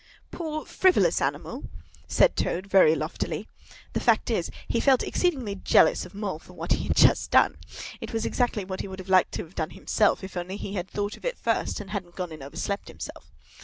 "Poor, frivolous animal!" said Toad, very loftily. The fact is, he felt exceedingly jealous of Mole for what he had just done. It was exactly what he would have liked to have done himself, if only he had thought of it first, and hadn't gone and overslept himself.